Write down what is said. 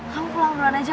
kamu pulang duluan aja